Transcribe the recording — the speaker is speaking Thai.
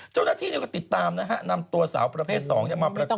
เจ้าหน้าที่ก็ติดตามนะฮะนำตัวสาวประเภท๒มาปรากฏ